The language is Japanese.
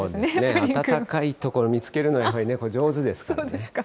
暖かい所見つけるのは、猫、上手ですからね。